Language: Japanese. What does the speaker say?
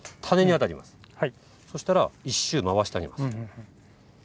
そしたら一周回してあげます。